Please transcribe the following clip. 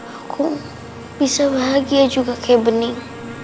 aku bisa bahagia juga kayak bening